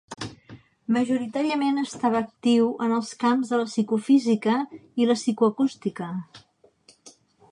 Majoritàriament estava actiu en els camps de la psicofísica i la psicoacústica.